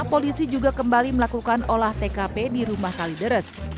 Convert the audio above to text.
polisi juga kembali melakukan olah tkp di rumah kalideres